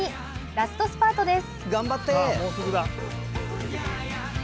ラストスパートです。